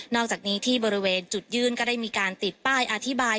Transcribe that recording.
อกจากนี้ที่บริเวณจุดยื่นก็ได้มีการติดป้ายอธิบาย